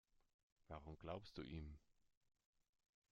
Warum glaubst du ihm?